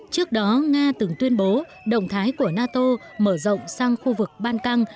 trước đó nga từng tuyên bố động thái của nato mở rộng sang khu vực ban căng